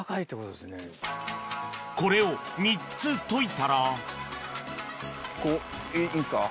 これを３つ溶いたらいいんですか？